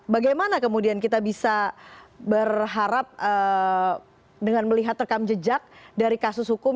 bagaimana kemudian kita bisa berharap dengan melihat rekam jejak dari kasus hukum